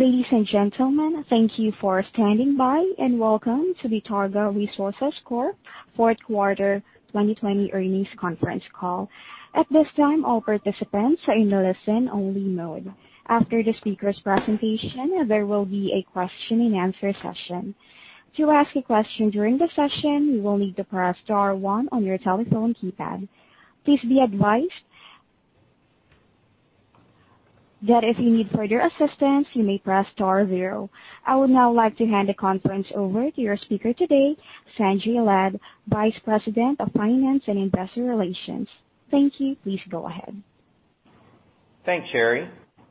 Ladies and gentlemen, thank you for standing by, and welcome to the Targa Resources Corp. Fourth Quarter 2020 Earnings Conference Call. At this time, all participants are in listen-only mode. After the speakers' presentation, there will be a question-and-answer session. To ask a question during the session, you will need to press star one on your telephone keypad. Please be advised that if you need further assistance, you may press star zero. I would now like to hand the conference over to your speaker today, Sanjay Lad, Vice President of Finance and Investor Relations. Thank you. Please go ahead. Thanks, Sherry.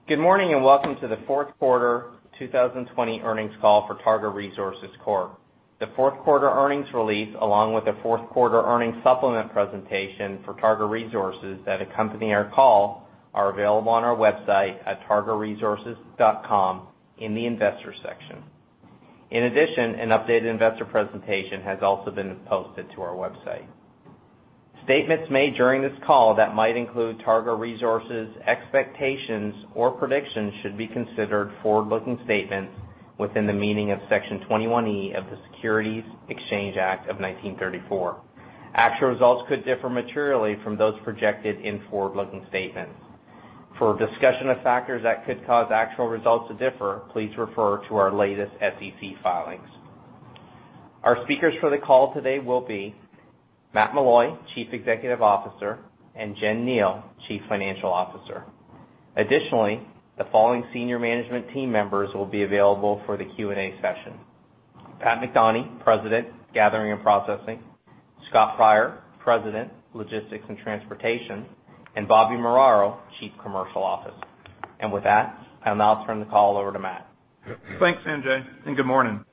Good morning and welcome to the Fourth Quarter 2020 Earnings Call for Targa Resources Corp. The fourth quarter earnings release, along with the fourth quarter earnings supplement presentation for Targa Resources that accompany our call, are available on our website at targaresources.com in the Investors section. In addition, an updated investor presentation has also been posted to our website. Statements made during this call that might include Targa Resources expectations or predictions should be considered forward-looking statements within the meaning of Section 21E of the Securities Exchange Act of 1934. Actual results could differ materially from those projected in forward-looking statements. For a discussion of factors that could cause actual results to differ, please refer to our latest SEC filings. Our speakers for the call today will be Matt Meloy, Chief Executive Officer, and Jen Kneale, Chief Financial Officer. Additionally, the following senior management team members will be available for the Q&A session: Pat McDonie, President, Gathering and Processing; Scott Pryor, President, Logistics and Transportation; and Bobby Muraro, Chief Commercial Officer. With that, I'll now turn the call over to Matt. Thanks, Sanjay. Good morning.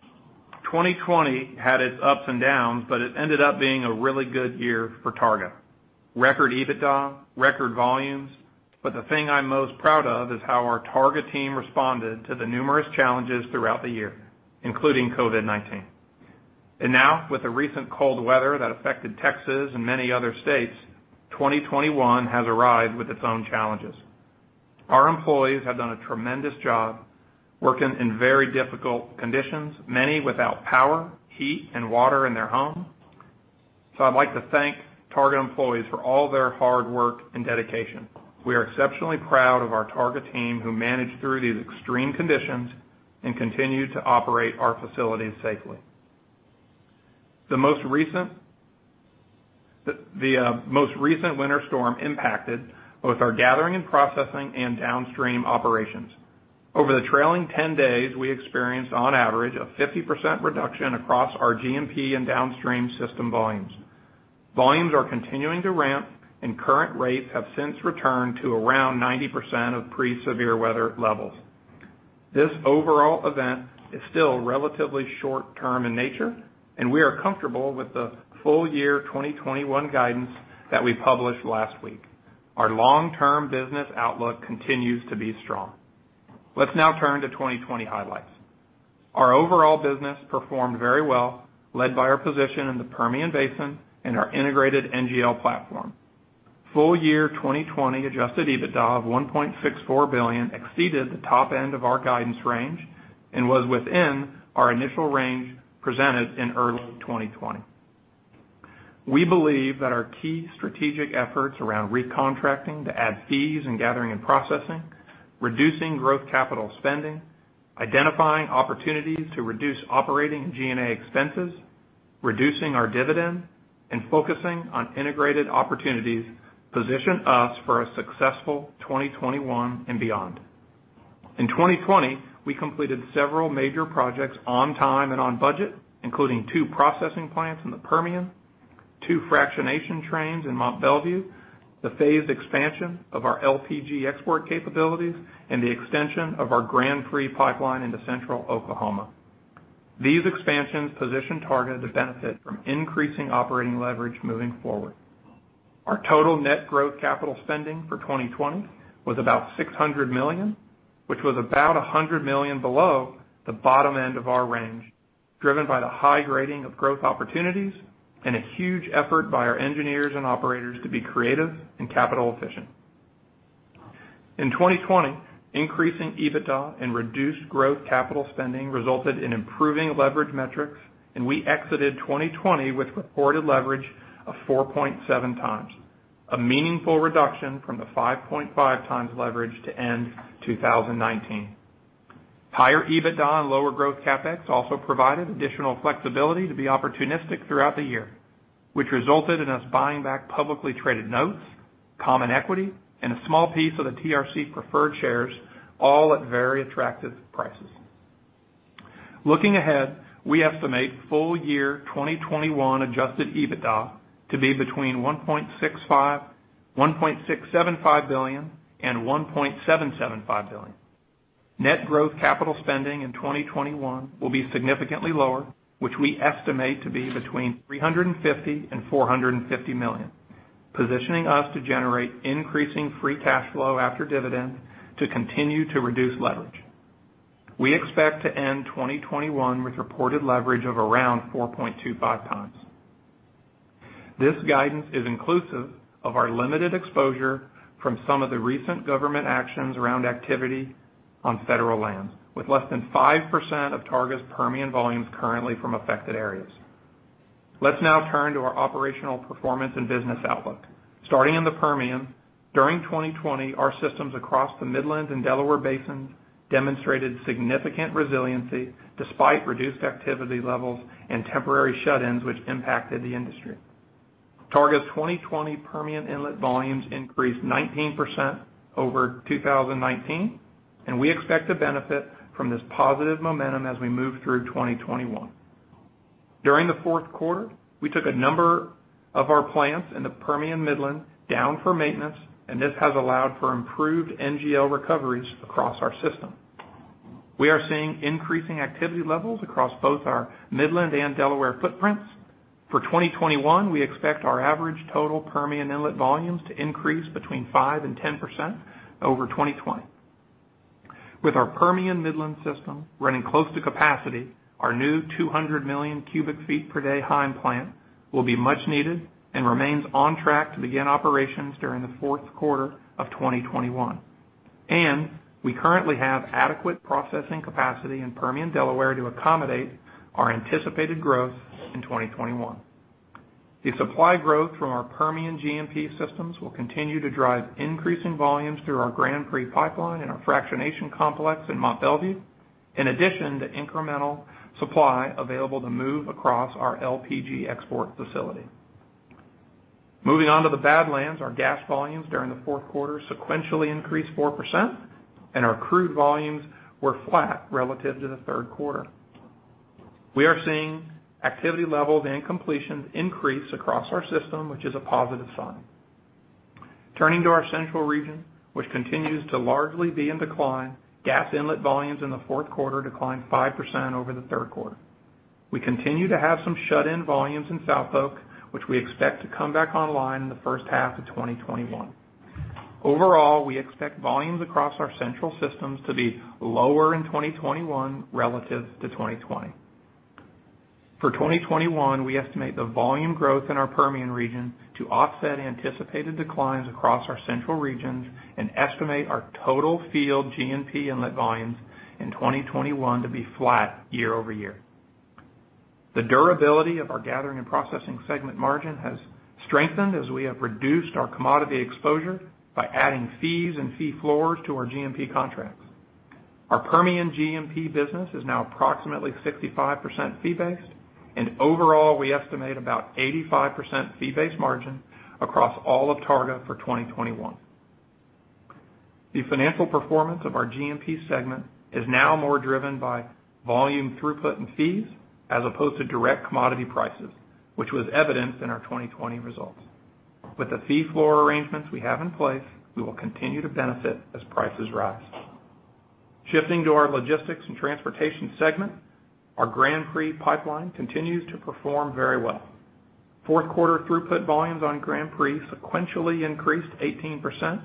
2020 had its ups and downs. It ended up being a really good year for Targa. Record EBITDA, record volumes. The thing I'm most proud of is how our Targa team responded to the numerous challenges throughout the year, including COVID-19. Now, with the recent cold weather that affected Texas and many other states, 2021 has arrived with its own challenges. Our employees have done a tremendous job working in very difficult conditions, many without power, heat, and water in their home. I'd like to thank Targa employees for all their hard work and dedication. We are exceptionally proud of our Targa team, who managed through these extreme conditions and continued to operate our facilities safely. The most recent winter storm impacted both our Gathering and Processing and Downstream Operations. Over the trailing 10 days, we experienced on average a 50%, reduction across our G&P and downstream system volumes. Volumes are continuing to ramp, and current rates have since returned to around 90%, of pre-severe weather levels. This overall event is still relatively short-term in nature, and we are comfortable with the full year 2021 guidance that we published last week. Our long-term business outlook continues to be strong. Let's now turn to 2020 highlights. Our overall business performed very well, led by our position in the Permian Basin and our integrated NGL platform. Full year 2020 adjusted EBITDA of $1.64 billion exceeded the top end of our guidance range and was within our initial range presented in early 2020. We believe that our key strategic efforts around recontracting to add fees in Gathering and Processing, reducing growth capital spending, identifying opportunities to reduce operating and G&A expenses, reducing our dividend, and focusing on integrated opportunities position us for a successful 2021 and beyond. In 2020, we completed several major projects on time and on budget, including two processing plants in the Permian, two fractionation trains in Mont Belvieu, the phased expansion of our LPG export capabilities, and the extension of our Grand Prix pipeline into Central Oklahoma. These expansions position Targa to benefit from increasing operating leverage moving forward. Our total net growth capital spending for 2020 was about $600 million, which was about $100 million below the bottom end of our range, driven by the high grading of growth opportunities and a huge effort by our engineers and operators to be creative and capital efficient. In 2020, increasing EBITDA and reduced growth capital spending resulted in improving leverage metrics, and we exited 2020 with reported leverage of 4.7 times, a meaningful reduction from the 5.5 times leverage to end 2019. Higher EBITDA and lower growth CapEx also provided additional flexibility to be opportunistic throughout the year, which resulted in us buying back publicly traded notes, common equity, and a small piece of the TRC preferred shares, all at very attractive prices. Looking ahead, we estimate full year 2021 adjusted EBITDA to be between $1.675 billion and $1.775 billion. Net growth capital spending in 2021 will be significantly lower, which we estimate to be between $350 million and $450 million, positioning us to generate increasing free cash flow after dividends to continue to reduce leverage. We expect to end 2021 with reported leverage of around 4.25 times. This guidance is inclusive of our limited exposure from some of the recent government actions around activity on federal lands, with less than 5%, of Targa's Permian volumes currently from affected areas. Let's now turn to our operational performance and business outlook. Starting in the Permian, during 2020, our systems across the Midland and Delaware basins demonstrated significant resiliency despite reduced activity levels and temporary shut-ins, which impacted the industry. Targa's 2020 Permian inlet volumes increased 19%, over 2019. We expect to benefit from this positive momentum as we move through 2021. During the fourth quarter, we took a number of our plants in the Permian Midland down for maintenance. This has allowed for improved NGL recoveries across our system. We are seeing increasing activity levels across both our Midland and Delaware footprints. For 2021, we expect our average total Permian inlet volumes to increase between 5% and 10%, over 2020. With our Permian Midland system running close to capacity, our new 200 million cubic feet per day Heim Plant will be much needed and remains on track to begin operations during the fourth quarter of 2021. We currently have adequate processing capacity in Permian Delaware to accommodate our anticipated growth in 2021. The supply growth from our Permian G&P systems will continue to drive increasing volumes through our Grand Prix pipeline and our fractionation complex in Mont Belvieu, in addition to incremental supply available to move across our LPG export facility. Moving on to the Badlands. Our gas volumes during the fourth quarter sequentially increased 4%, and our crude volumes were flat relative to the third quarter. We are seeing activity levels and completions increase across our system, which is a positive sign. Turning to our central region, which continues to largely be in decline, gas inlet volumes in the fourth quarter declined 5%, over the third quarter. We continue to have some shut-in volumes in South OK, which we expect to come back online in the first half of 2021. Overall, we expect volumes across our central systems to be lower in 2021 relative to 2020. For 2021, we estimate the volume growth in our Permian region to offset anticipated declines across our central regions and estimate our total field G&P inlet volumes in 2021 to be flat year-over-year. The durability of our Gathering and Processing segment margin has strengthened as we have reduced our commodity exposure by adding fees and fee floors to our G&P contracts. Our Permian G&P business is now approximately 65%, fee-based, and overall, we estimate about 85%, fee-based margin across all of Targa for 2021. The financial performance of our G&P segment is now more driven by volume throughput and fees as opposed to direct commodity prices, which was evident in our 2020 results. With the fee floor arrangements we have in place, we will continue to benefit as prices rise. Shifting to our Logistics and Transportation segment, our Grand Prix pipeline continues to perform very well. Fourth quarter throughput volumes on Grand Prix sequentially increased 18%,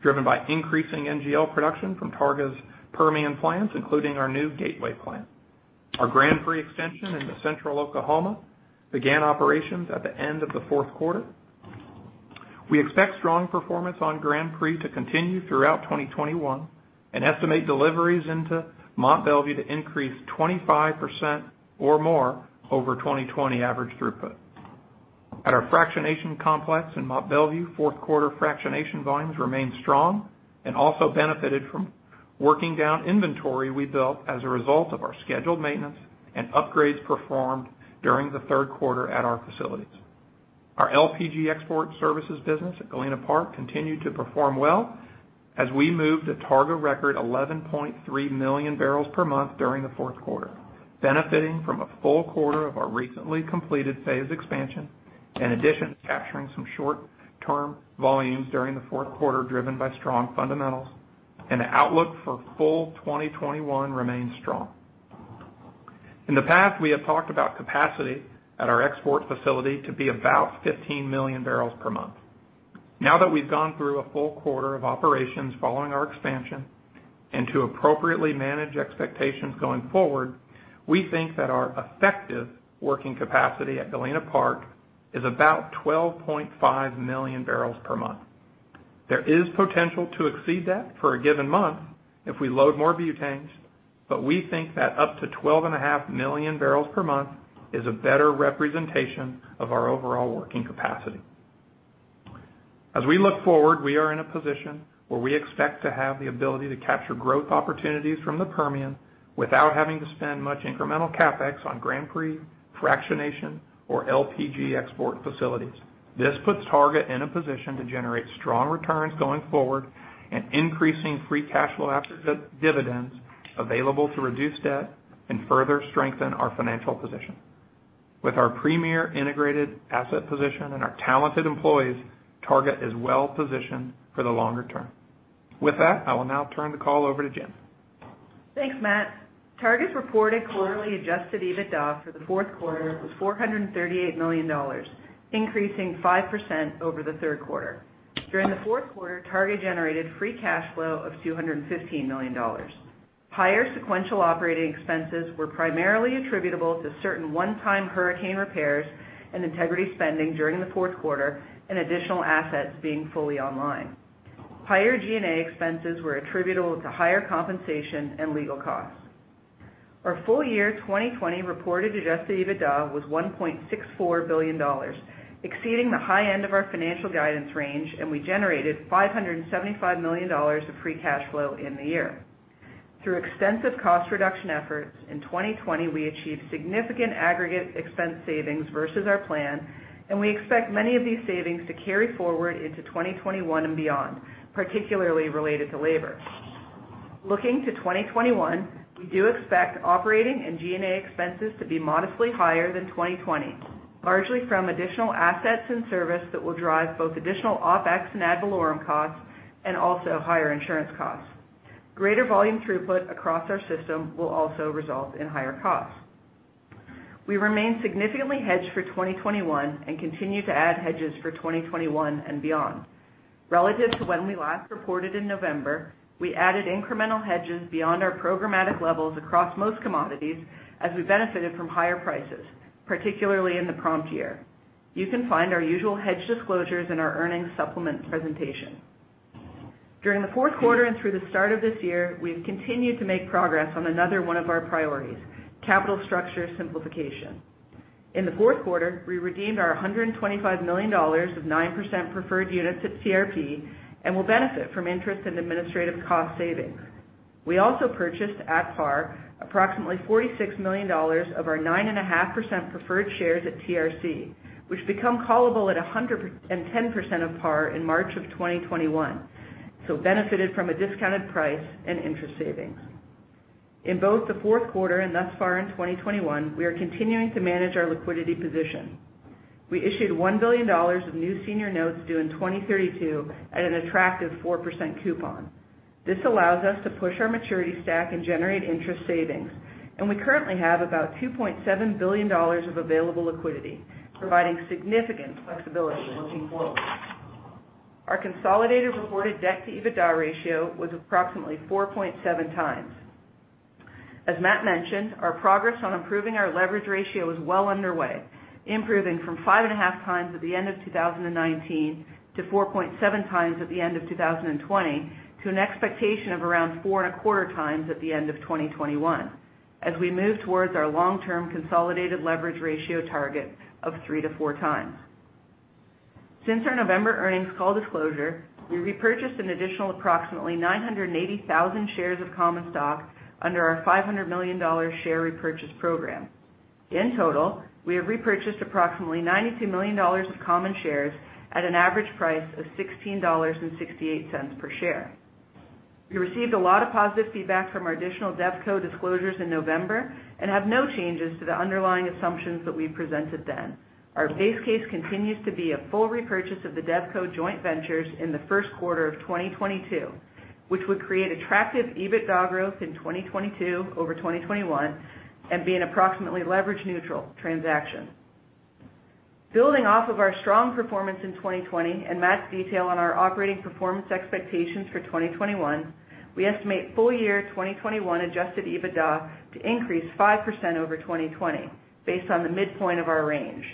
driven by increasing NGL production from Targa's Permian plants, including our new Gateway Plant. Our Grand Prix extension into Central Oklahoma began operations at the end of the fourth quarter. We expect strong performance on Grand Prix to continue throughout 2021 and estimate deliveries into Mont Belvieu to increase 25%, or more over 2020 average throughput. At our fractionation complex in Mont Belvieu, fourth quarter fractionation volumes remained strong and also benefited from working down inventory we built as a result of our scheduled maintenance and upgrades performed during the third quarter at our facilities. Our LPG export services business at Galena Park continued to perform well as we moved to Targa record 11.3 million barrels per month during the fourth quarter, benefiting from a full quarter of our recently completed phase expansion. In addition to capturing some short-term volumes during the fourth quarter, driven by strong fundamentals, and the outlook for full 2021 remains strong. In the past, we have talked about capacity at our export facility to be about 15 million barrels per month. Now that we've gone through a full quarter of operations following our expansion and to appropriately manage expectations going forward, we think that our effective working capacity at Galena Park is about 12.5 million barrels per month. There is potential to exceed that for a given month if we load more butanes, but we think that up to 12.5 million barrels per month is a better representation of our overall working capacity. As we look forward, we are in a position where we expect to have the ability to capture growth opportunities from the Permian without having to spend much incremental CapEx on Grand Prix fractionation or LPG export facilities. This puts Targa in a position to generate strong returns going forward and increasing free cash flow after dividends available to reduce debt and further strengthen our financial position. With our premier integrated asset position and our talented employees, Targa is well positioned for the longer term. With that, I will now turn the call over to Jen. Thanks, Matt. Targa's reported quarterly adjusted EBITDA for the fourth quarter was $438 million, increasing 5%, over the third quarter. During the fourth quarter, Targa generated free cash flow of $215 million. Higher sequential operating expenses were primarily attributable to certain one-time hurricane repairs and integrity spending during the fourth quarter, and additional assets being fully online. Higher G&A expenses were attributable to higher compensation and legal costs. Our full year 2020 reported adjusted EBITDA was $1.64 billion, exceeding the high end of our financial guidance range, and we generated $575 million of free cash flow in the year. Through extensive cost reduction efforts in 2020, we achieved significant aggregate expense savings versus our plan, and we expect many of these savings to carry forward into 2021 and beyond, particularly related to labor. Looking to 2021, we do expect operating and G&A expenses to be modestly higher than 2020, largely from additional assets and service that will drive both additional OpEx and ad valorem costs, and also higher insurance costs. Greater volume throughput across our system will also result in higher costs. We remain significantly hedged for 2021 and continue to add hedges for 2021 and beyond. Relative to when we last reported in November, we added incremental hedges beyond our programmatic levels across most commodities as we benefited from higher prices, particularly in the prompt year. You can find our usual hedge disclosures in our earnings supplement presentation. During the fourth quarter and through the start of this year, we've continued to make progress on another one of our priorities, capital structure simplification. In the fourth quarter, we redeemed our $125 million of 9%, preferred units at TRP and will benefit from interest and administrative cost savings. We also purchased, at par, approximately $46 million of our 9.5%, preferred shares at TRC, which become callable at 110%, of par in March of 2021, so benefited from a discounted price and interest savings. In both the fourth quarter and thus far in 2021, we are continuing to manage our liquidity position. We issued $1 billion of new senior notes due in 2032 at an attractive 4% coupon. This allows us to push our maturity stack and generate interest savings, and we currently have about $2.7 billion of available liquidity, providing significant flexibility looking forward. Our consolidated reported debt-to-EBITDA ratio was approximately 4.7 times. As Matt mentioned, our progress on improving our leverage ratio is well underway, improving from 5.5 times at the end of 2019 to 4.7 times at the end of 2020, to an expectation of around 4.25 times at the end of 2021 as we move towards our long-term consolidated leverage ratio target of three to four times. Since our November earnings call disclosure, we repurchased an additional approximately 980,000 shares of common stock under our $500 million share repurchase program. In total, we have repurchased approximately $92 million of common shares at an average price of $16.68 per share. We received a lot of positive feedback from our additional DevCo disclosures in November and have no changes to the underlying assumptions that we presented then. Our base case continues to be a full repurchase of the DevCo joint ventures in the first quarter of 2022, which would create attractive EBITDA growth in 2022 over 2021 and be an approximately leverage-neutral transaction. Building off of our strong performance in 2020 and Matt's detail on our operating performance expectations for 2021, we estimate full year 2021 adjusted EBITDA to increase 5%, over 2020 based on the midpoint of our range.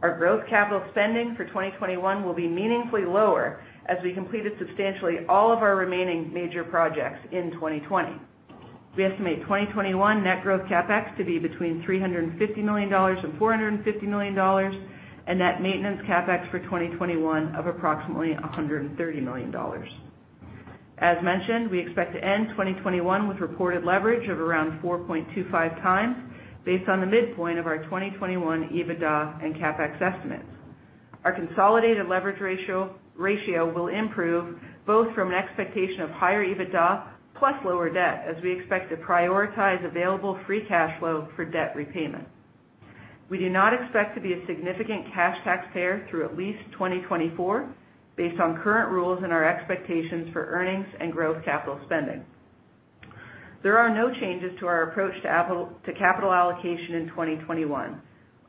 Our growth capital spending for 2021 will be meaningfully lower as we completed substantially all of our remaining major projects in 2020. We estimate 2021 net growth CapEx to be between $350 million and $450 million, and net maintenance CapEx for 2021 of approximately $130 million. As mentioned, we expect to end 2021 with reported leverage of around 4.25x based on the midpoint of our 2021 EBITDA and CapEx estimates. Our consolidated leverage ratio will improve both from an expectation of higher EBITDA plus lower debt as we expect to prioritize available free cash flow for debt repayment. We do not expect to be a significant cash taxpayer through at least 2024 based on current rules and our expectations for earnings and growth capital spending. There are no changes to our approach to capital allocation in 2021.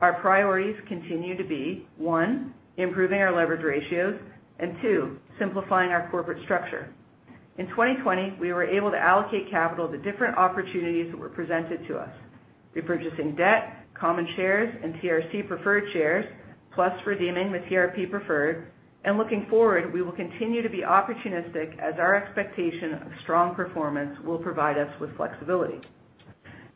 Our priorities continue to be, one, improving our leverage ratios, and two, simplifying our corporate structure. In 2020, we were able to allocate capital to different opportunities that were presented to us. Repurchasing debt, common shares, and TRC preferred shares, plus redeeming the TRP preferred, and looking forward, we will continue to be opportunistic as our expectation of strong performance will provide us with flexibility.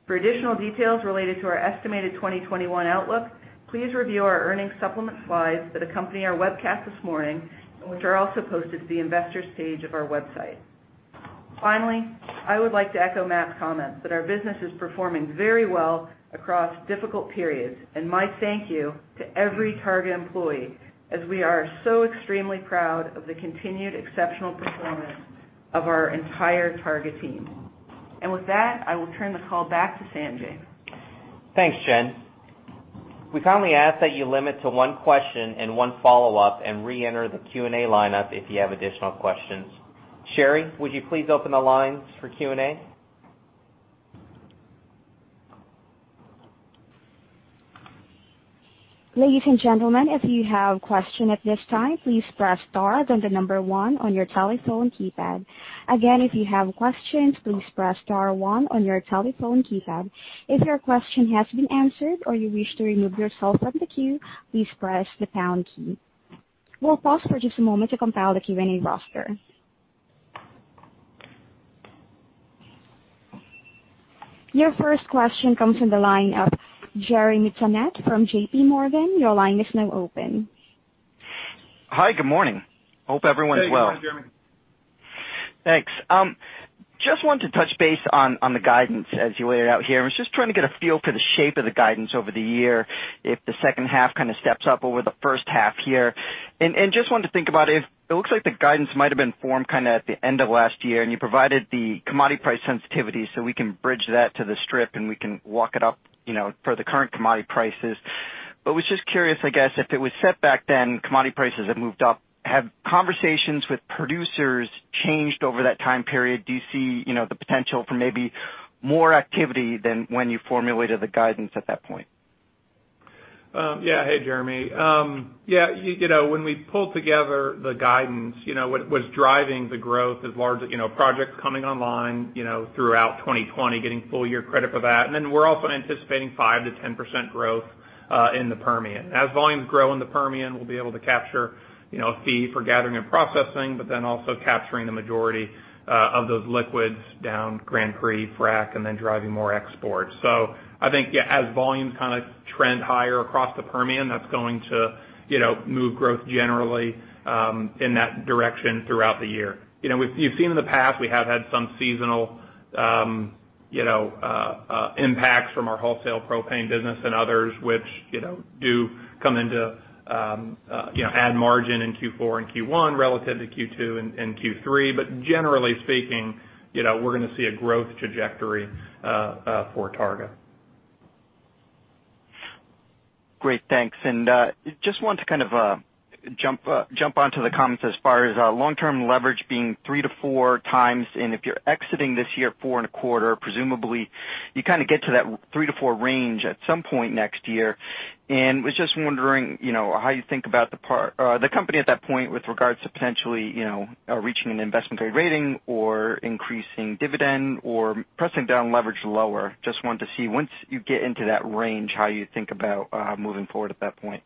For additional details related to our estimated 2021 outlook, please review our earnings supplement slides that accompany our webcast this morning, and which are also posted to the investor's page of our website. Finally, I would like to echo Matt's comments that our business is performing very well across difficult periods. My thank you to every Targa employee, as we are so extremely proud of the continued exceptional performance of our entire Targa team. With that, I will turn the call back to Sanjay. Thanks, Jen. We kindly ask that you limit to one question and one follow-up and reenter the Q&A lineup if you have additional questions. Sherry, would you please open the lines for Q&A? Your first question comes from the line of Jeremy Tonet from J.P. Morgan. Your line is now open. Hi, good morning. Hope everyone is well. Hey, good morning, Jeremy. Thanks. Just wanted to touch base on the guidance as you laid it out here. I was just trying to get a feel for the shape of the guidance over the year, if the second half kind of steps up over the first half here. Just wanted to think about it looks like the guidance might have been formed at the end of last year, and you provided the commodity price sensitivity, so we can bridge that to the strip, and we can walk it up for the current commodity prices. Was just curious, I guess, if it was set back then, commodity prices have moved up. Have conversations with producers changed over that time period? Do you see the potential for maybe more activity than when you formulated the guidance at that point? Hey, Jeremy. When we pulled together the guidance, what was driving the growth is projects coming online throughout 2020, getting full-year credit for that. We're also anticipating 5%-10%, growth in the Permian. As volumes grow in the Permian, we'll be able to capture a fee for Gathering and Processing, but then also capturing the majority of those liquids down Grand Prix Frac and then driving more exports. I think, as volumes kind of trend higher across the Permian, that's going to move growth generally in that direction throughout the year. You've seen in the past, we have had some seasonal impacts from our wholesale propane business and others, which do add margin in Q4 and Q1 relative to Q2 and Q3. Generally speaking, we're going to see a growth trajectory for Targa. Great. Thanks. Just want to kind of jump onto the comments as far as long-term leverage being 3-4 times, if you're exiting this year 4.25, presumably you kind of get to that 3-4 range at some point next year. Was just wondering how you think about the company at that point with regards to potentially reaching an investment-grade rating or increasing dividend or pressing down leverage lower. Just wanted to see once you get into that range, how you think about moving forward at that point.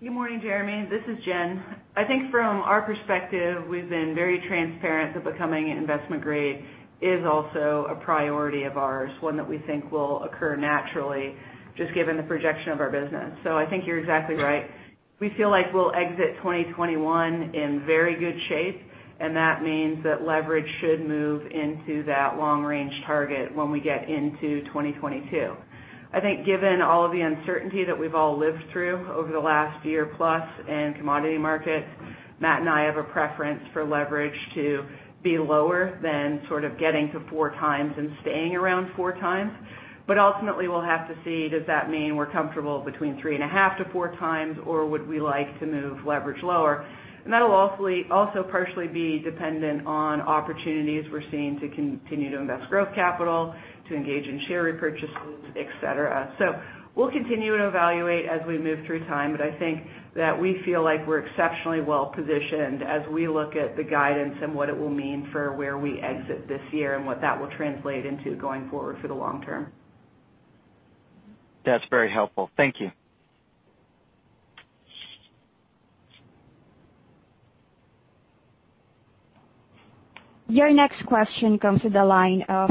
Good morning, Jeremy. This is Jen. I think from our perspective, we've been very transparent that becoming investment-grade is also a priority of ours, one that we think will occur naturally, just given the projection of our business. I think you're exactly right. We feel like we'll exit 2021 in very good shape, and that means that leverage should move into that long-range target when we get into 2022. I think given all of the uncertainty that we've all lived through over the last year plus in commodity markets, Matt and I have a preference for leverage to be lower than sort of getting to 4x and staying around 4x. Ultimately, we'll have to see, does that mean we're comfortable between 3.5x-4x, or would we like to move leverage lower? That'll also partially be dependent on opportunities we're seeing to continue to invest growth capital, to engage in share repurchases, et cetera. We'll continue to evaluate as we move through time, but I think that we feel like we're exceptionally well-positioned as we look at the guidance and what it will mean for where we exit this year and what that will translate into going forward for the long term. That's very helpful. Thank you. Your next question comes through the line of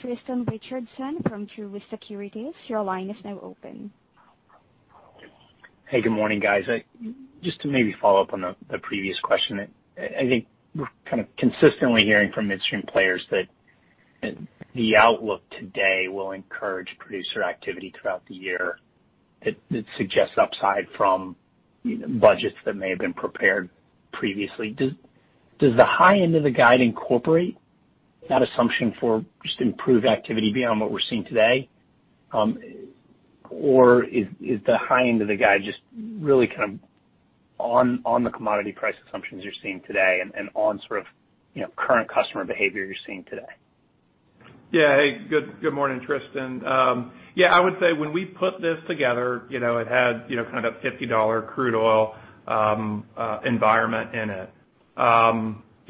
Tristan Richardson from Truist Securities. Your line is now open. Hey, good morning, guys. Just to maybe follow up on the previous question, I think we're kind of consistently hearing from midstream players that the outlook today will encourage producer activity throughout the year. It suggests upside from budgets that may have been prepared previously. Does the high end of the guide incorporate that assumption for just improved activity beyond what we're seeing today? Or is the high end of the guide just really on the commodity price assumptions you're seeing today and on sort of current customer behavior you're seeing today? Yeah. Hey, good morning, Tristan. Yeah, I would say when we put this together, it had kind of $50 crude oil environment in it.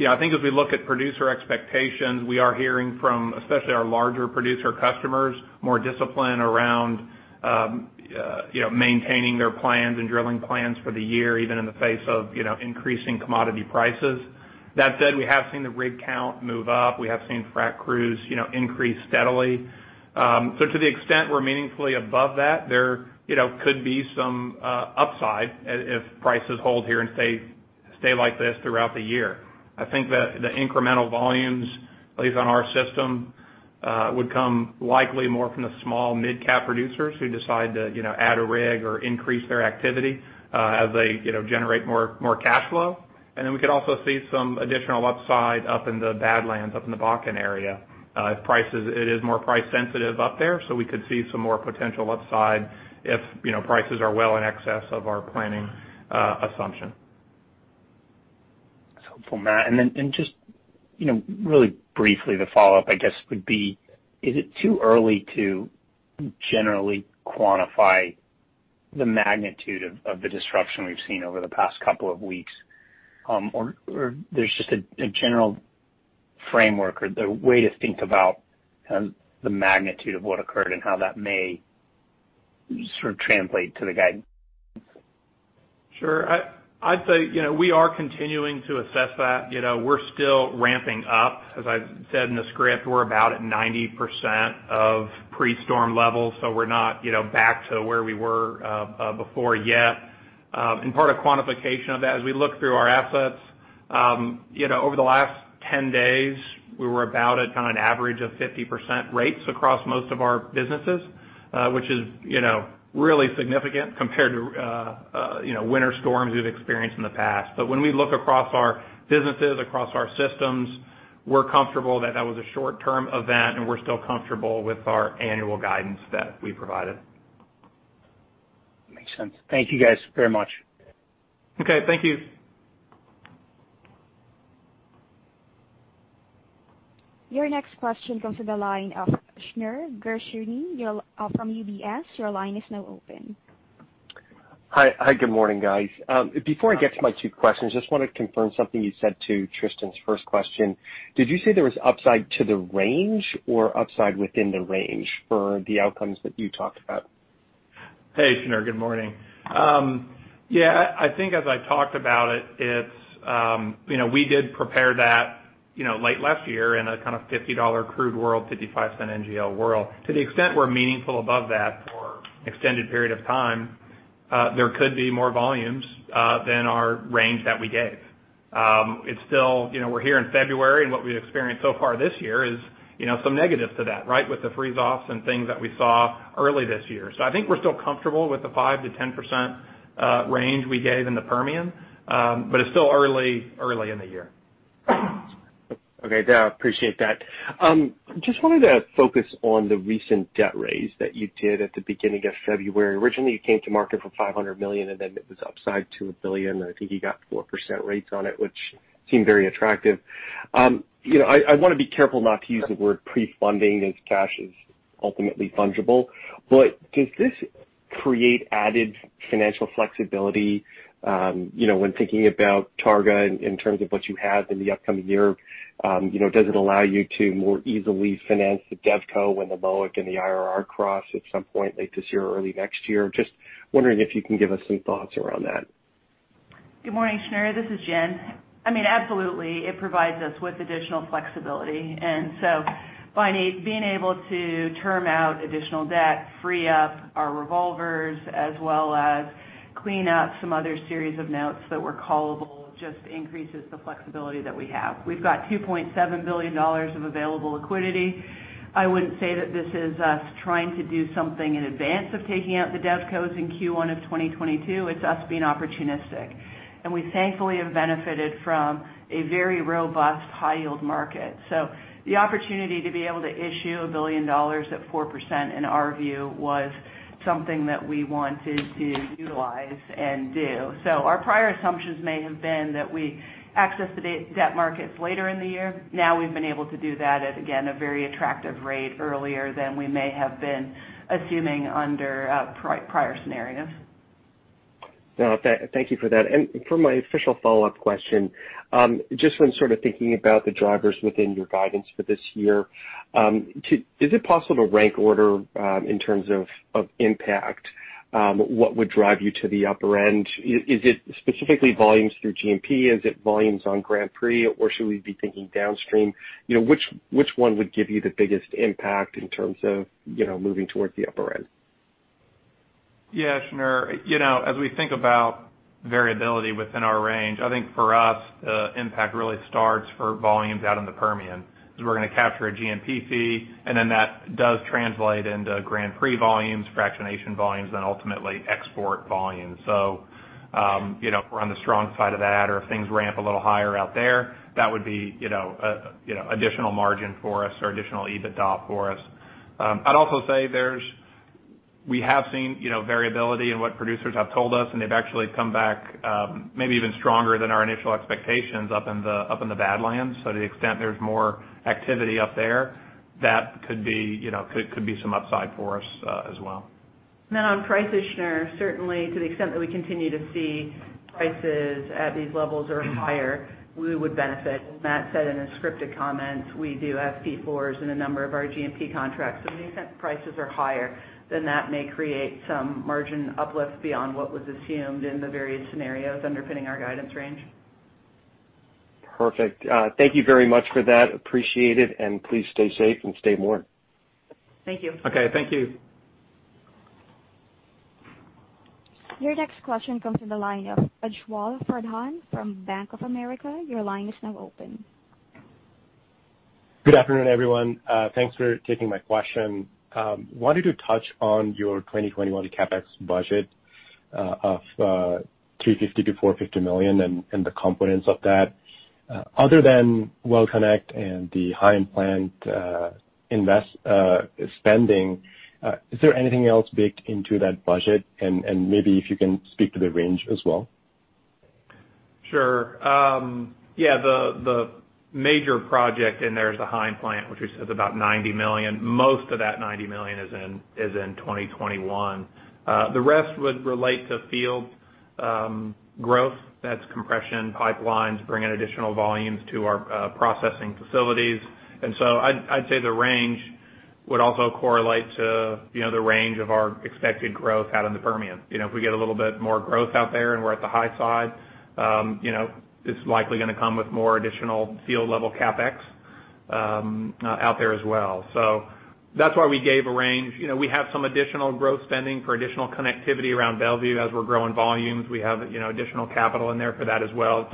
I think as we look at producer expectations, we are hearing from, especially our larger producer customers, more discipline around maintaining their plans and drilling plans for the year, even in the face of increasing commodity prices. That said, we have seen the rig count move up. We have seen Frac crews increase steadily. To the extent we're meaningfully above that, there could be some upside if prices hold here and stay like this throughout the year. I think that the incremental volumes, at least on our system, would come likely more from the small mid-cap producers who decide to add a rig or increase their activity as they generate more cash flow. We could also see some additional upside up in the Badlands, up in the Bakken area. It is more price sensitive up there. We could see some more potential upside if prices are well in excess of our planning assumption. Matt, then just really briefly the follow-up, I guess, would be, is it too early to generally quantify the magnitude of the disruption we've seen over the past couple of weeks? Or there's just a general framework or the way to think about the magnitude of what occurred and how that may sort of translate to the guide? Sure. I'd say, we are continuing to assess that. We're still ramping up. As I said in the script, we're about at 90%, of pre-storm levels, so we're not back to where we were before yet. Part of quantification of that, as we look through our assets, over the last 10 days, we were about at kind of an average of 50%, rates across most of our businesses, which is really significant compared to winter storms we've experienced in the past. When we look across our businesses, across our systems, we're comfortable that was a short-term event, and we're still comfortable with our annual guidance that we provided. Makes sense. Thank you guys very much. Okay. Thank you. Your next question comes from the line of Shneur Gershuni from UBS. Your line is now open. Hi, good morning, guys. Before I get to my two questions, just want to confirm something you said to Tristan's first question. Did you say there was upside to the range or upside within the range for the outcomes that you talked about? Shneur, good morning. I think as I talked about it, we did prepare that late last year in a kind of $50 crude world, $0.55 NGL world. To the extent we're meaningful above that for extended period of time, there could be more volumes than our range that we gave. We're here in February, what we've experienced so far this year is some negatives to that, right? With the freeze-offs and things that we saw early this year. I think we're still comfortable with the 5%-10%, range we gave in the Permian. It's still early in the year. Okay. Yeah, appreciate that. Just wanted to focus on the recent debt raise that you did at the beginning of February. Originally, you came to market for $500 million. Then it was upside to $1 billion. I think you got 4%, rates on it, which seemed very attractive. I want to be careful not to use the word pre-funding, as cash is ultimately fungible. Does this create added financial flexibility when thinking about Targa in terms of what you have in the upcoming year? Does it allow you to more easily finance the DevCo when the LOIC and the IRR cross at some point late this year or early next year? Just wondering if you can give us some thoughts around that. Good morning, Shneur. This is Jen. Absolutely, it provides us with additional flexibility. By being able to term out additional debt, free up our revolvers, as well as clean up some other series of notes that were callable just increases the flexibility that we have. We've got $2.7 billion of available liquidity. I wouldn't say that this is us trying to do something in advance of taking out the DevCos in Q1 of 2022. It's us being opportunistic. We thankfully have benefited from a very robust high yield market. The opportunity to be able to issue $1 billion at 4%, in our view, was something that we wanted to utilize and do. Our prior assumptions may have been that we access the debt markets later in the year. Now we've been able to do that at, again, a very attractive rate earlier than we may have been assuming under prior scenarios. Thank you for that. For my official follow-up question, just when sort of thinking about the drivers within your guidance for this year, is it possible to rank order, in terms of impact, what would drive you to the upper end? Is it specifically volumes through G&P? Is it volumes on Grand Prix, or should we be thinking downstream? Which one would give you the biggest impact in terms of moving towards the upper end? Shneur. As we think about variability within our range, I think for us, the impact really starts for volumes out in the Permian, is we're going to capture a G&P fee, and then that does translate into Grand Prix volumes, fractionation volumes, and ultimately export volumes. We're on the strong side of that. If things ramp a little higher out there, that would be additional margin for us or additional EBITDA for us. I'd also say we have seen variability in what producers have told us, and they've actually come back maybe even stronger than our initial expectations up in the Badlands. To the extent there's more activity up there, that could be some upside for us as well. Matt, on price, Shneur, certainly to the extent that we continue to see prices at these levels or higher, we would benefit. Matt said in his scripted comments, we do have P4's in a number of our G&P contracts. To the extent prices are higher, then that may create some margin uplift beyond what was assumed in the various scenarios underpinning our guidance range. Perfect. Thank you very much for that. Appreciate it, and please stay safe and stay warm. Thank you. Okay, thank you. Your next question comes from the line of Ujjwal Pradhan from Bank of America. Your line is now open. Good afternoon, everyone. Thanks for taking my question. Wanted to touch on your 2021 CapEx budget of $350 million to $450 million and the components of that. Other than Well-Connect and the Heim Plant invest spending, is there anything else baked into that budget? Maybe if you can speak to the range as well. Sure. The major project in there is the Heim Plant, which is about $90 million. Most of that $90 million is in 2021. The rest would relate to field growth. That's compression pipelines bringing additional volumes to our processing facilities. I'd say the range would also correlate to the range of our expected growth out in the Permian. If we get a little bit more growth out there and we're at the high side, it's likely going to come with more additional field-level CapEx out there as well. That's why we gave a range. We have some additional growth spending for additional connectivity around Belvieu as we're growing volumes. We have additional capital in there for that as well.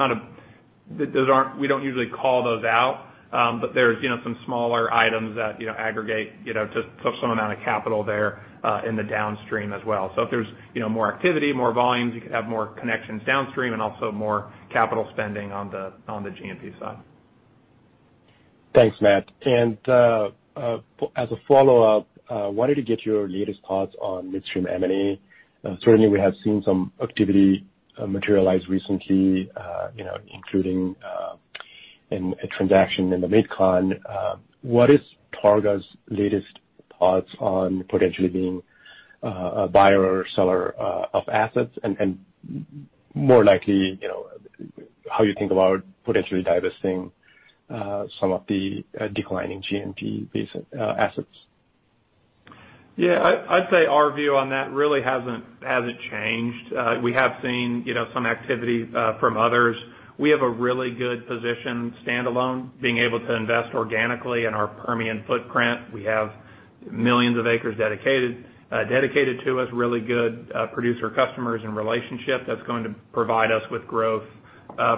We don't usually call those out. There's some smaller items that aggregate to some amount of capital there in the downstream as well. If there's more activity, more volumes, you could have more connections downstream and also more capital spending on the G&P side. Thanks, Matt. As a follow-up, wanted to get your latest thoughts on midstream M&A. Certainly, we have seen some activity materialize recently including a transaction in the MidCon. What is Targa's latest thoughts on potentially being a buyer or seller of assets and more likely, how you think about potentially divesting some of the declining G&P base assets? Yeah. I'd say our view on that really hasn't changed. We have seen some activity from others. We have a really good position standalone, being able to invest organically in our Permian footprint. We have millions of acres dedicated to us, really good producer customers and relationship that's going to provide us with growth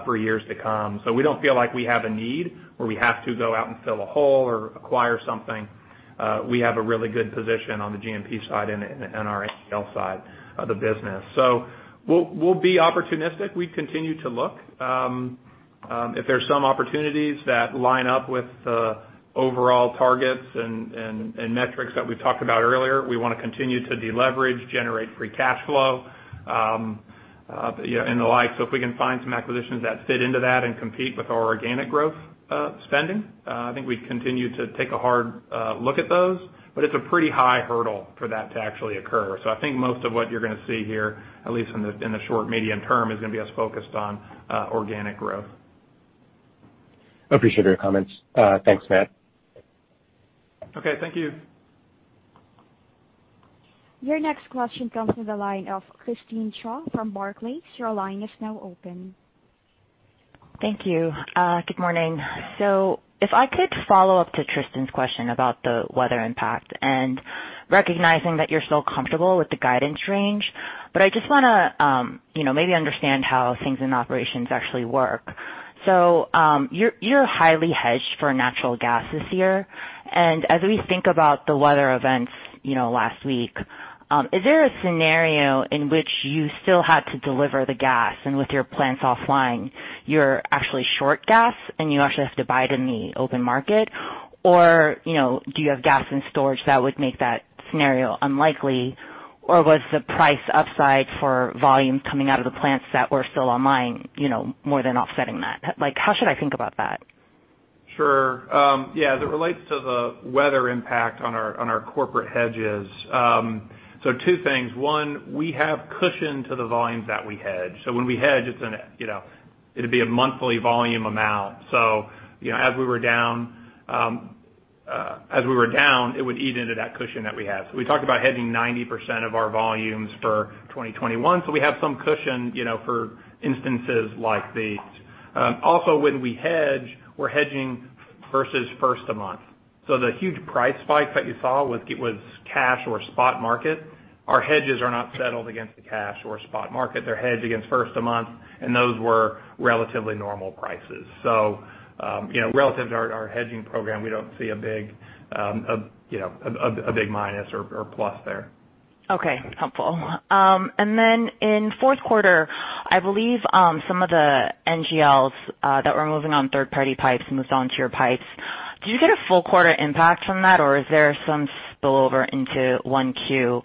for years to come. We don't feel like we have a need where we have to go out and fill a hole or acquire something. We have a really good position on the G&P side and our NGL side of the business. We'll be opportunistic. We continue to look. If there's some opportunities that line up with the overall targets and metrics that we talked about earlier, we want to continue to deleverage, generate free cash flow, and the like. If we can find some acquisitions that fit into that and compete with our organic growth spending, I think we'd continue to take a hard look at those. It's a pretty high hurdle for that to actually occur. I think most of what you're going to see here, at least in the short, medium term, is going to be us focused on organic growth. Appreciate your comments. Thanks, Matt. Okay. Thank you. Your next question comes from the line of Christine Cho from Barclays. Your line is now open. Thank you. Good morning. If I could follow up to Tristan's question about the weather impact and recognizing that you're still comfortable with the guidance range, but I just want to maybe understand how things in operations actually work. You're highly hedged for natural gas this year, and as we think about the weather events last week, is there a scenario in which you still had to deliver the gas and with your plants offline, you're actually short gas and you actually have to buy it in the open market? Or do you have gas and storage that would make that scenario unlikely? Or was the price upside for volumes coming out of the plants that were still online more than offsetting that? How should I think about that? Sure. Yeah. As it relates to the weather impact on our corporate hedges. Two things. One, we have cushion to the volumes that we hedge. When we hedge, it'd be a monthly volume amount. As we were down, it would eat into that cushion that we have. We talked about hedging 90%, of our volumes for 2021. We have some cushion for instances like these. Also when we hedge, we're hedging versus first a month. The huge price spike that you saw was cash or spot market. Our hedges are not settled against the cash or spot market. They're hedged against first a month, and those were relatively normal prices. Relative to our hedging program, we don't see a big minus or plus there. Okay. Helpful. In fourth quarter, I believe some of the NGLs that were moving on third-party pipes moved on to your pipes. Do you get a full quarter impact from that, or is there some spillover into Q1?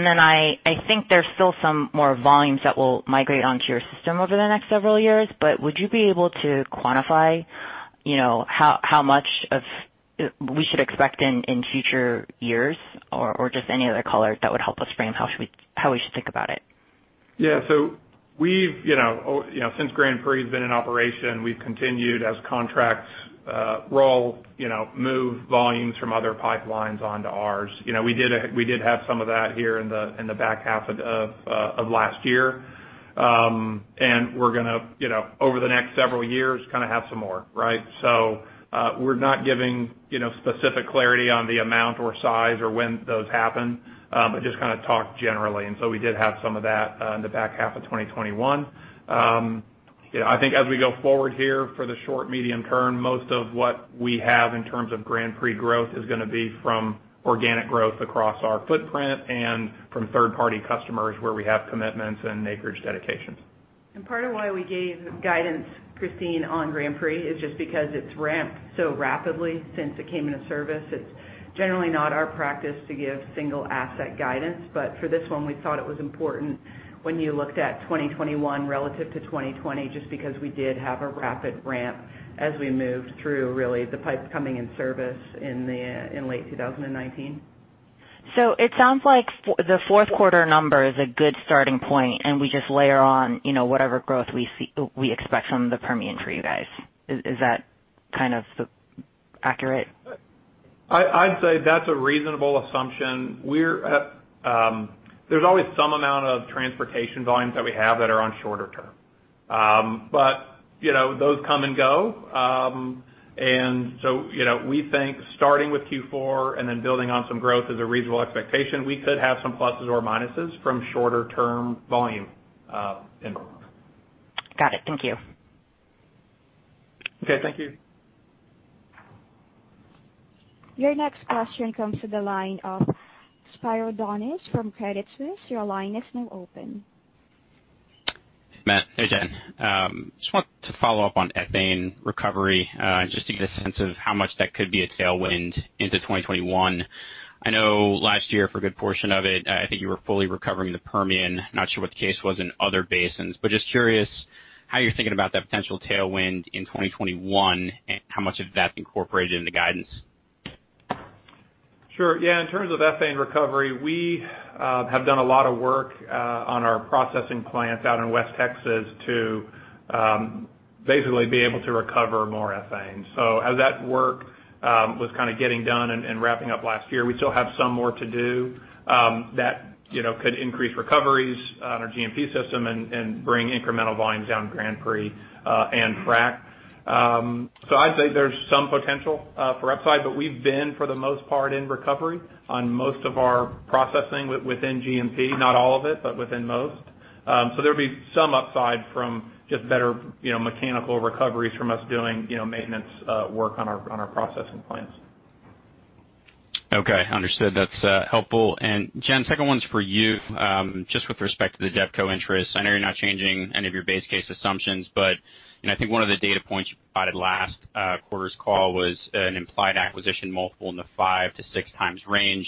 I think there's still some more volumes that will migrate onto your system over the next several years, would you be able to quantify how much of we should expect in future years, or just any other color that would help us frame how we should think about it? Yeah. Since Grand Prix has been in operation, we've continued as contracts roll, move volumes from other pipelines onto ours. We did have some of that here in the back half of last year. We're going to over the next several years, kind of have some more, right? We're not giving specific clarity on the amount or size or when those happen, but just talk generally. We did have some of that in the back half of 2021. I think as we go forward here for the short, medium term, most of what we have in terms of Grand Prix growth is going to be from organic growth across our footprint and from third-party customers where we have commitments and acreage dedications. Part of why we gave guidance. Christine, on Grand Prix, is just because it's ramped so rapidly since it came into service. It's generally not our practice to give single asset guidance. For this one, we thought it was important when you looked at 2021 relative to 2020, just because we did have a rapid ramp as we moved through, really, the pipes coming in service in late 2019. It sounds like the fourth quarter number is a good starting point, and we just layer on whatever growth we expect from the Permian for you guys. Is that kind of accurate? I'd say that's a reasonable assumption. There's always some amount of transportation volumes that we have that are on shorter term. Those come and go. We think starting with Q4 and then building on some growth is a reasonable expectation. We could have some pluses or minuses from shorter term volume input. Got it. Thank you. Okay, thank you. Your next question comes to the line of Spiro Dounis from Credit Suisse. Your line is now open. Matt. Hey, Jen. Just wanted to follow up on ethane recovery, just to get a sense of how much that could be a tailwind into 2021. I know last year, for a good portion of it, I think you were fully recovering the Permian. Not sure what the case was in other basins. Just curious how you're thinking about that potential tailwind in 2021, and how much of that's incorporated into guidance. Sure. Yeah. In terms of ethane recovery, we have done a lot of work on our processing plants out in West Texas to basically be able to recover more ethane. As that work was kind of getting done and wrapping up last year, we still have some more to do, that could increase recoveries on our G&P system and bring incremental volumes down Grand Prix and Frac. I'd say there's some potential for upside, but we've been, for the most part, in recovery on most of our processing within G&P, not all of it, but within most. There'll be some upside from just better mechanical recoveries from us doing maintenance work on our processing plants. Okay, understood. That's helpful. Jen, second one's for you. Just with respect to the DevCo interest, I know you're not changing any of your base case assumptions, but I think one of the data points you provided last quarter's call was an implied acquisition multiple in the 5 to 6 times range.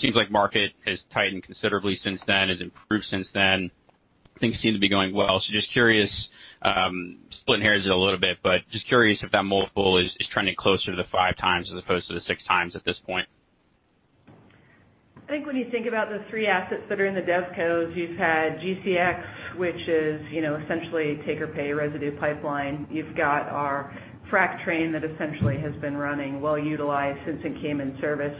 Seems like market has tightened considerably since then, has improved since then. Things seem to be going well. Just curious, splitting hairs a little bit, but just curious if that multiple is trending closer to the 5 times as opposed to the 6 times at this point. I think when you think about the three assets that are in the DevCos, you've had GCX, which is essentially a take or pay residue pipeline. You've got our Frac train that essentially has been running well-utilized since it came in service.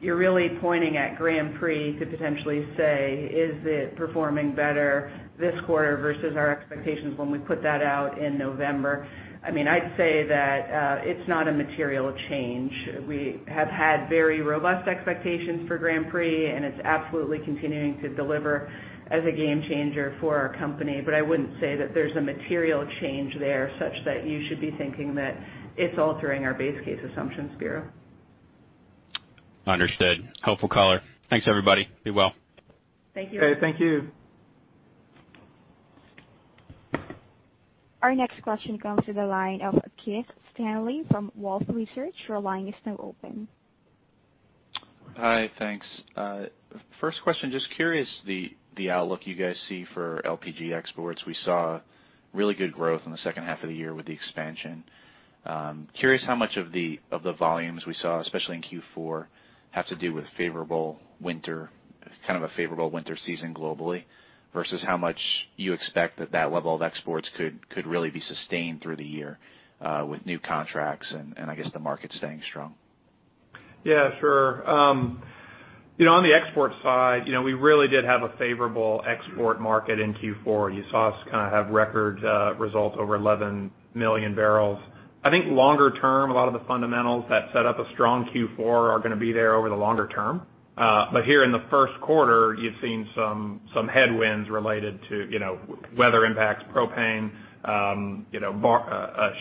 You're really pointing at Grand Prix to potentially say, is it performing better this quarter versus our expectations when we put that out in November? I'd say that it's not a material change. We have had very robust expectations for Grand Prix, and it's absolutely continuing to deliver as a game changer for our company. I wouldn't say that there's a material change there such that you should be thinking that it's altering our base case assumptions, Spiro. Understood. Helpful call. Thanks, everybody. Be well. Thank you. Okay, thank you. Our next question comes to the line of Keith Stanley from Wolfe Research. Your line is now open. Hi, thanks. First question, just curious, the outlook you guys see for LPG exports. We saw really good growth in the second half of the year with the expansion. Curious how much of the volumes we saw, especially in Q4, have to do with kind of a favorable winter season globally, versus how much you expect that level of exports could really be sustained through the year, with new contracts and I guess the market staying strong. Sure. On the export side, we really did have a favorable export market in Q4. You saw us kind of have record results over 11 million barrels. I think longer term, a lot of the fundamentals that set up a strong Q4 are going to be there over the longer term. Here in the first quarter, you've seen some headwinds related to weather impacts, propane,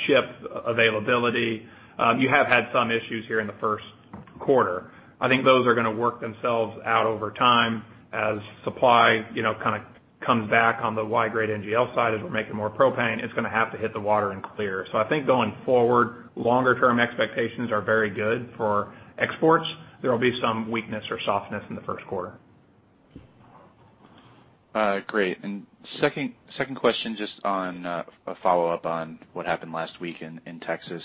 ship availability. You have had some issues here in the first quarter. I think those are going to work themselves out over time as supply kind of comes back on the Y-grade NGL side. As we're making more propane, it's going to have to hit the water and clear. I think going forward, longer term expectations are very good for exports. There'll be some weakness or softness in the first quarter. Great. Second question, just a follow-up on what happened last week in Texas.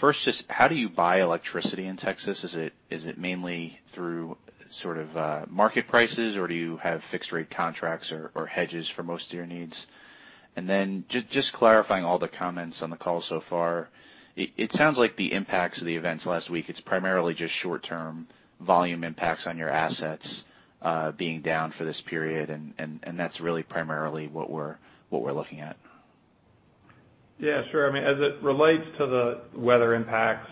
First, just how do you buy electricity in Texas? Is it mainly through sort of market prices, or do you have fixed rate contracts or hedges for most of your needs? Just clarifying all the comments on the call so far, it sounds like the impacts of the events last week, it's primarily just short-term volume impacts on your assets being down for this period, and that's really primarily what we're looking at. Yeah, sure. As it relates to the weather impacts,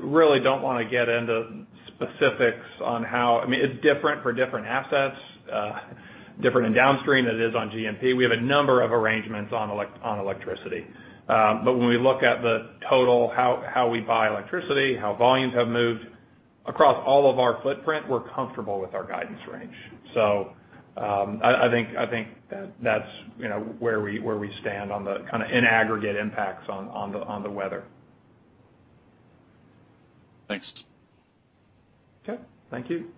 really don't want to get into specifics. It's different for different assets, different in downstream than it is on G&P. We have a number of arrangements on electricity. When we look at the total, how we buy electricity, how volumes have moved Across all of our footprint, we're comfortable with our guidance range. I think that's where we stand on the kind of in aggregate impacts on the weather. Thanks. Okay. Thank you.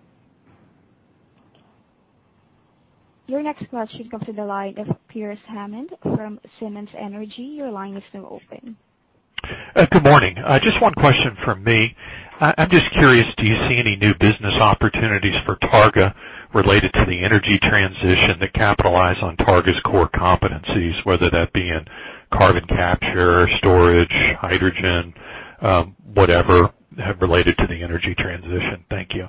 Your next question comes to the line of Pearce Hammond from Simmons Energy. Good morning. Just one question from me. I'm just curious, do you see any new business opportunities for Targa related to the energy transition that capitalize on Targa's core competencies, whether that be in carbon capture, storage, hydrogen, whatever, related to the energy transition? Thank you.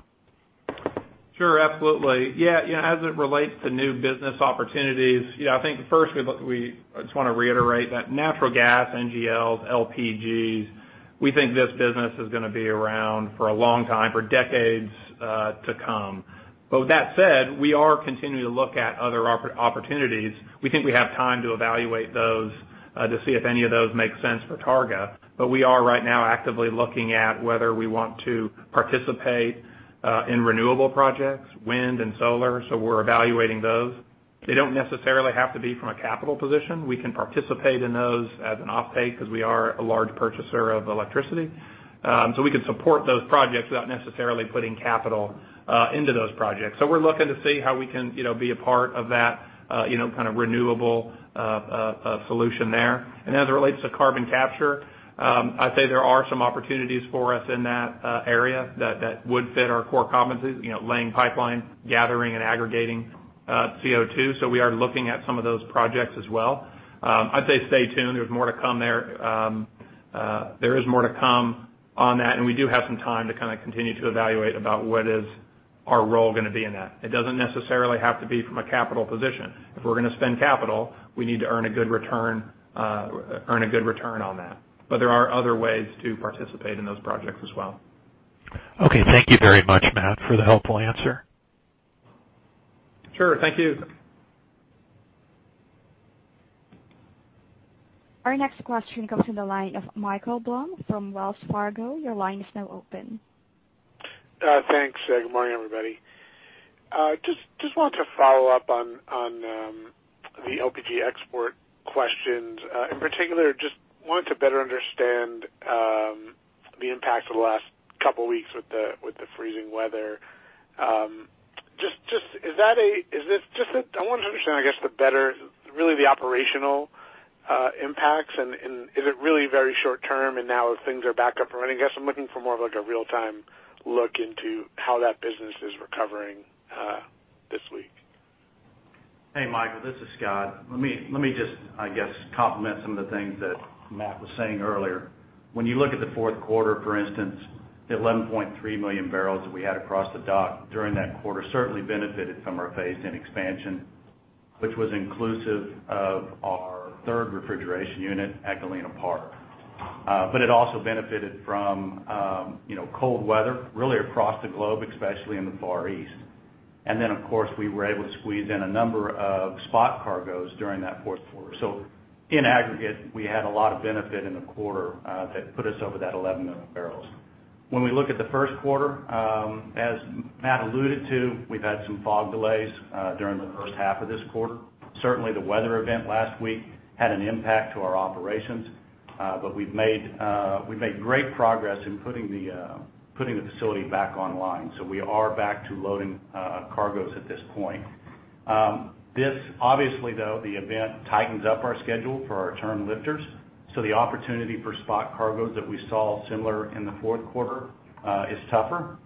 Sure. Absolutely. Yeah. As it relates to new business opportunities, I think first we just want to reiterate that natural gas, NGLs, LPGs, we think this business is going to be around for a long time, for decades to come. With that said, we are continuing to look at other opportunities. We think we have time to evaluate those to see if any of those make sense for Targa. We are right now actively looking at whether we want to participate in renewable projects, wind and solar. We're evaluating those. They don't necessarily have to be from a capital position. We can participate in those as an off-take because we are a large purchaser of electricity. We could support those projects without necessarily putting capital into those projects. We're looking to see how we can be a part of that kind of renewable solution there. As it relates to carbon capture, I'd say there are some opportunities for us in that area that would fit our core competencies, laying pipeline, gathering, and aggregating CO2. We are looking at some of those projects as well. I'd say stay tuned. There's more to come there. There is more to come on that, and we do have some time to kind of continue to evaluate about what is our role going to be in that. It doesn't necessarily have to be from a capital position. If we're going to spend capital, we need to earn a good return on that. There are other ways to participate in those projects as well. Okay. Thank you very much, Matt, for the helpful answer. Sure. Thank you. Our next question comes from the line of Michael Blum from Wells Fargo. Thanks. Good morning, everybody. Just wanted to follow up on the LPG export questions. In particular, just wanted to better understand the impact of the last couple of weeks with the freezing weather. I wanted to understand, I guess, better really the operational impacts, and is it really very short term and now if things are back up and running? I guess I'm looking for more of a real-time look into how that business is recovering this week. Hey, Michael, this is Scott. Let me just, I guess, complement some of the things that Matt was saying earlier. When you look at the fourth quarter, for instance, the 11.3 million barrels that we had across the dock during that quarter certainly benefited from our phase 10 expansion, which was inclusive of our third refrigeration unit at Galena Park. It also benefited from cold weather really across the globe, especially in the Far East. Then, of course, we were able to squeeze in a number of spot cargoes during that fourth quarter. In aggregate, we had a lot of benefit in the quarter that put us over that 11 million barrels. When we look at the first quarter, as Matt alluded to, we've had some fog delays during the first half of this quarter. Certainly, the weather event last week had an impact on our operations. We've made great progress in putting the facility back online. We are back to loading cargoes at this point. Obviously, though, the event tightens up our schedule for our term lifters. The opportunity for spot cargoes that we saw similar in the fourth quarter is tougher.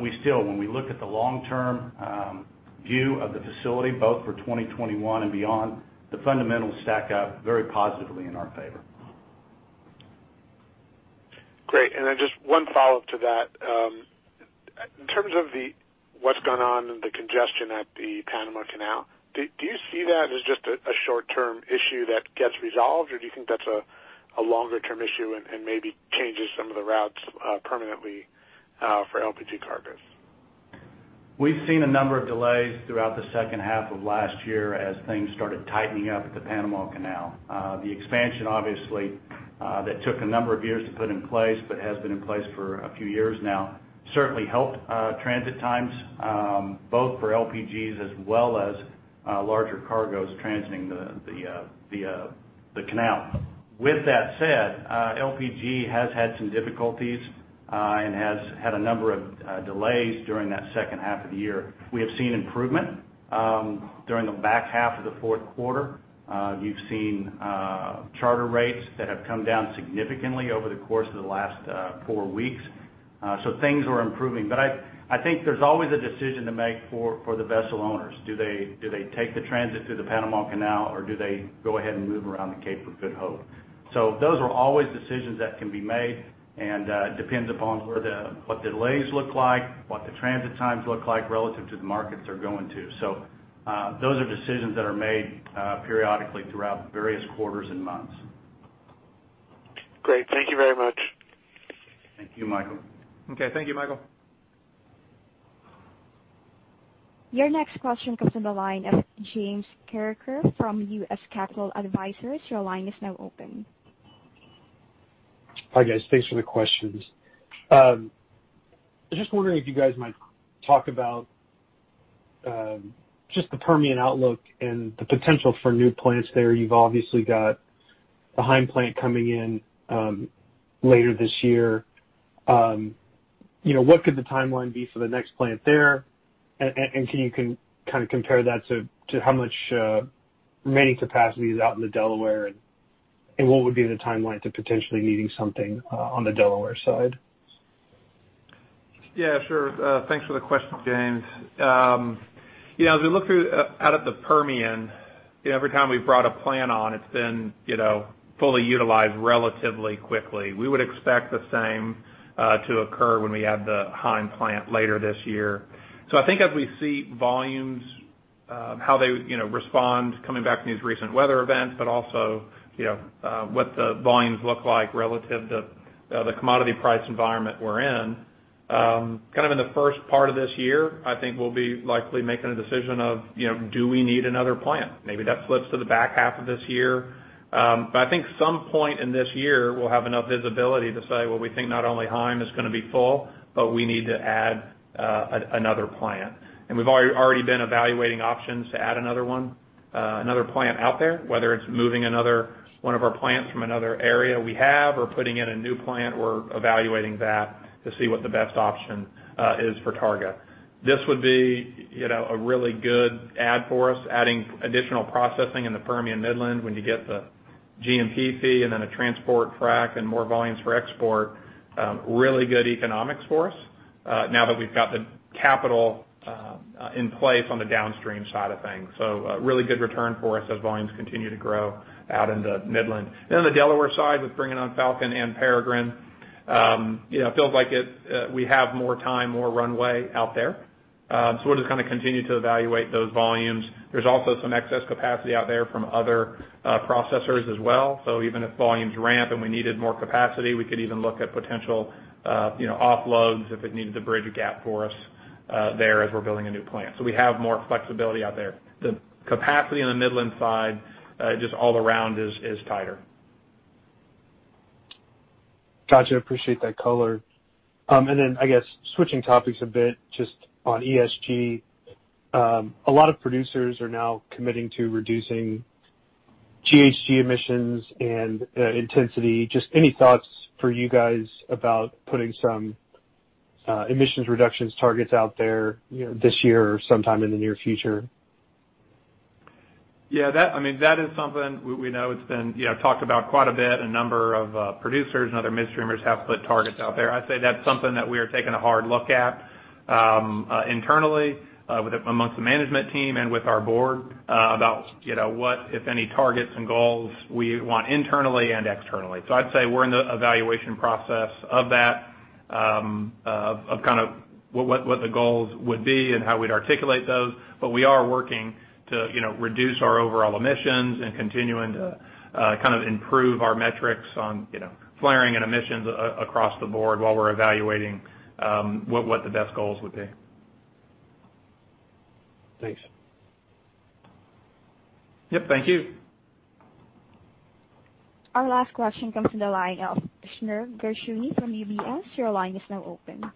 We still, when we look at the long-term view of the facility, both for 2021 and beyond, the fundamentals stack up very positively in our favor. Great. Just one follow-up to that. In terms of what's going on in the congestion at the Panama Canal, do you see that as just a short-term issue that gets resolved, or do you think that's a longer-term issue and maybe changes some of the routes permanently for LPG cargoes? We've seen a number of delays throughout the second half of last year as things started tightening up at the Panama Canal. The expansion, obviously, that took a number of years to put in place, but has been in place for a few years now, certainly helped transit times both for LPGs as well as larger cargoes transiting the canal. With that said, LPG has had some difficulties and has had a number of delays during that second half of the year. We have seen improvement during the back half of the fourth quarter. You've seen charter rates that have come down significantly over the course of the last four weeks. Things are improving, but I think there's always a decision to make for the vessel owners. Do they take the transit through the Panama Canal, or do they go ahead and move around the Cape of Good Hope? Those are always decisions that can be made, and it depends upon what the delays look like, what the transit times look like relative to the markets they're going to. Those are decisions that are made periodically throughout various quarters and months. Great. Thank you very much. Thank you, Michael. Okay. Thank you, Michael. Your next question comes from the line of James Carreker from U.S. Capital Advisors. Hi, guys. Thanks for the questions. I'm just wondering if you guys might talk about just the Permian outlook and the potential for new plants there. You've obviously got the Heim Plant coming in later this year. What could the timeline be for the next plant there? Can you kind of compare that to how much remaining capacity is out in the Delaware, and what would be the timeline to potentially needing something on the Delaware side? Yeah, sure. Thanks for the question, James. As we look out at the Permian, every time we've brought a plant on, it's been fully utilized relatively quickly. We would expect the same to occur when we add the Heim Plant later this year. I think as we see volumes, how they respond coming back from these recent weather events, but also what the volumes look like relative to the commodity price environment we're in. Kind of in the first part of this year, I think we'll be likely making a decision of do we need another plant? Maybe that slips to the back half of this year. I think some point in this year, we'll have enough visibility to say, well, we think not only Heim is going to be full, but we need to add another plant. We've already been evaluating options to add another plant out there, whether it's moving one of our plants from another area we have or putting in a new plant. We're evaluating that to see what the best option is for Targa. This would be a really good add for us, adding additional processing in the Permian Midland when you get the G&P and then a transport frac and more volumes for export. Really good economics for us now that we've got the capital in place on the downstream side of things. A really good return for us as volumes continue to grow out in the Midland. The Delaware side with bringing on Falcon and Peregrine, feels like we have more time, more runway out there. We'll just kind of continue to evaluate those volumes. There's also some excess capacity out there from other processors as well. Even if volumes ramp and we needed more capacity, we could even look at potential offloads if it needed to bridge a gap for us there as we're building a new plant. We have more flexibility out there. The capacity on the Midland side, just all around is tighter. Got you. Appreciate that color. I guess switching topics a bit, just on ESG. A lot of producers are now committing to reducing GHG emissions and intensity. Just any thoughts for you guys about putting some emissions reductions targets out there this year or sometime in the near future? Yeah. That is something we know it's been talked about quite a bit. A number of producers and other midstreamers have put targets out there. I'd say that's something that we are taking a hard look at internally amongst the management team and with our board about what, if any, targets and goals we want internally and externally. I'd say we're in the evaluation process of that, of kind of what the goals would be and how we'd articulate those. We are working to reduce our overall emissions and continuing to kind of improve our metrics on flaring and emissions across the board while we're evaluating what the best goals would be. Thanks. Yep, thank you. Our last question comes from the line of Shneur Gershuni from UBS. Your line is now open.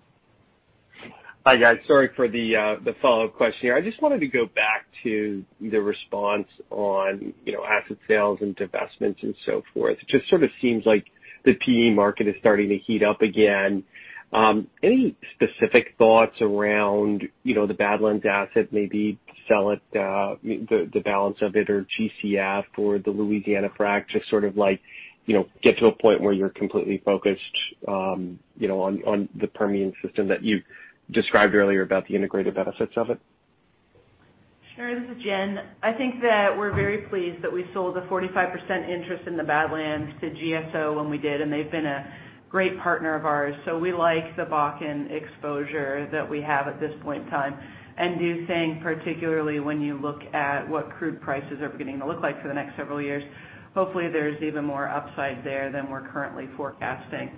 Hi, guys. Sorry for the follow-up question here. I just wanted to go back to the response on asset sales and divestments and so forth. Just sort of seems like the PE market is starting to heat up again. Any specific thoughts around the Badlands asset, maybe sell it, the balance of it, or GCX or the Louisiana Frac, just sort of get to a point where you're completely focused on the Permian system that you described earlier about the integrated benefits of it? Sure. This is Jen. I think that we're very pleased that we sold a 45%, interest in the Badlands to GSO when we did, and they've been a great partner of ours. We like the Bakken exposure that we have at this point in time and do think particularly when you look at what crude prices are beginning to look like for the next several years, hopefully there's even more upside there than we're currently forecasting.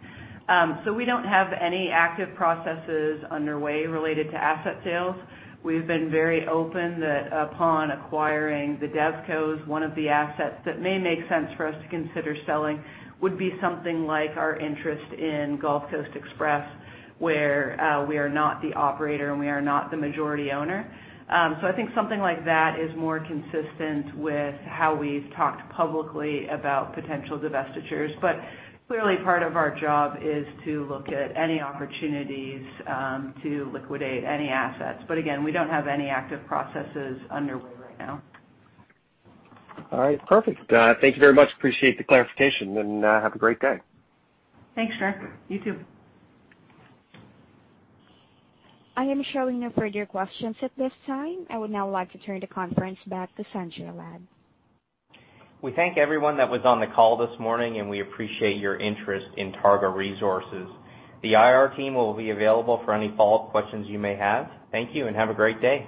We don't have any active processes underway related to asset sales. We've been very open that upon acquiring the DevCos, one of the assets that may make sense for us to consider selling would be something like our interest in Gulf Coast Express, where we are not the operator, and we are not the majority owner. I think something like that is more consistent with how we've talked publicly about potential divestitures. Clearly part of our job is to look at any opportunities to liquidate any assets. Again, we don't have any active processes underway right now. All right, perfect. Thank you very much. Appreciate the clarification. Have a great day. Thanks, Shneur. You too. I am showing no further questions at this time. I would now like to turn the conference back to Sanjay Lad. We thank everyone that was on the call this morning, and we appreciate your interest in Targa Resources. The IR team will be available for any follow-up questions you may have. Thank you, and have a great day.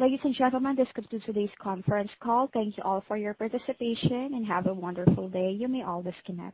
Ladies and gentlemen, this concludes today's conference call. Thank you all for your participation, and have a wonderful day. You may all disconnect.